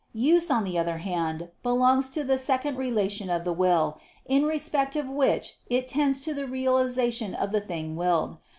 Use, on the other hand, belongs to the second relation of the will, in respect of which it tends to the realization of the thing willed.